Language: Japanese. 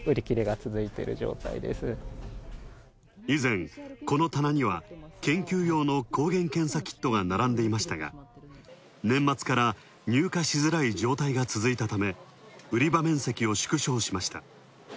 以前、この棚には研究用の抗原検査キットが並んでいましたが年末から入荷しづらい状態が続いたため売り場面積を縮小しました。